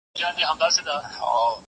د شیدو اضافه کول متضاد نظرونه لري.